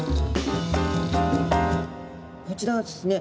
こちらはですね